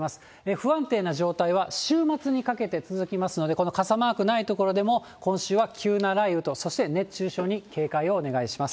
不安定な状態は週末にかけて続きますので、この傘マークない所でも、今週は急な雷雨と、そして熱中症に警戒をお願いします。